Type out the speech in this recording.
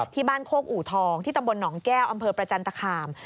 ที่บ้านโคกอู่ทองที่ตำบลหนองแก้วอำเภอประจันตคาม